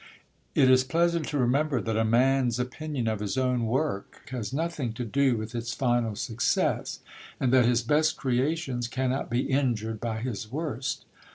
It is pleasant to remember that a man's opinion of his own work has nothing to do with its final success and that his best creations cannot be injured by his worst.